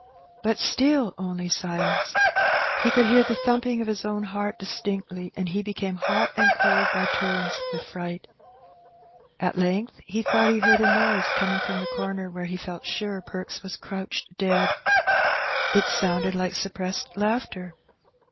But still only silence. He could hear the thumping of his own heart distinctly, and he became hot and cold by turns with fright. At length he thought he heard a noise coming from the comer where he felt sure Perks was crouched dead. It sounded like suppressed laughter.